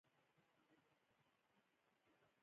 قومونه د افغانانو د اړتیاوو د پوره کولو وسیله ده.